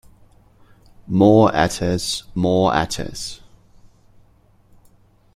More Ates, more Ates!